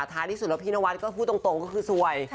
ท้ายที่สุดแล้วพี่นวัดก็พูดตรงก็คือสวย